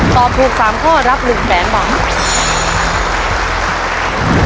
ตอบถูก๓ข้อรับ๑๐๐๐๐บาท